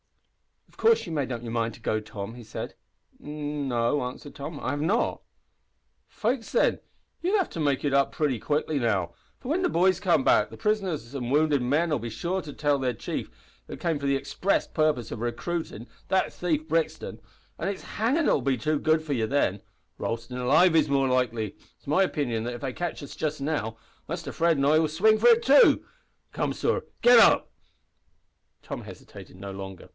"Of course you've made up your mind to go, Tom?" he said. "N no," answered Tom. "I have not." "Faix, thin, you'll have to make it up pritty quick now, for whin the boys come back the prisoners an wounded men'll be sure to tell that their chief came for the express purpose of rescuin' that `thief Brixton' an' it's hangin' that'll be too good for you then. Roastin' alive is more likely. It's my opinion that if they catch us just now, Muster Fred an' I will swing for it too! Come, sor, git up!" Tom hesitated no longer.